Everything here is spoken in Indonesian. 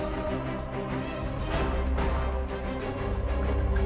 jadi dia dede menangku sayang ya ratu